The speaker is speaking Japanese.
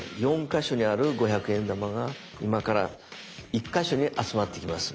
４か所にある五百円玉が今から１か所に集まってきます。